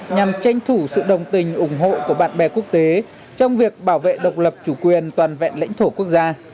nhằm tranh thủ sự đồng tình ủng hộ của bạn bè quốc tế trong việc bảo vệ độc lập chủ quyền toàn vẹn lãnh thổ quốc gia